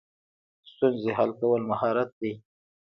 ستونزې حل کول مهارت دی